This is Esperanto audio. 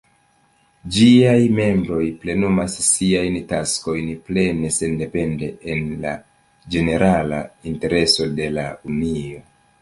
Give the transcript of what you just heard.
Ĝiaj membroj plenumas siajn taskojn plene sendepende, en la ĝenerala intereso de la Unio.